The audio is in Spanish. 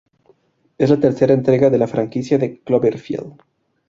Es la tercera entrega de la franquicia de "Cloverfield".